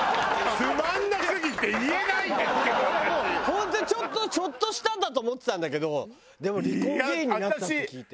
本当に「ちょっとした」だと思ってたんだけどでも離婚原因になったって。